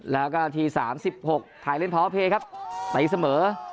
แล้วก็นาที๓๖ถ่ายเล่นพ้อเพครับตายทีเสมอ